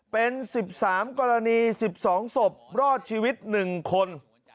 เป็น๑๓กรณี๑๒ศพรอดชีวิต๑คน